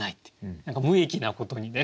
何か無益なことにね